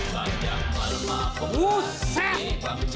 bang jangan malem aku lagi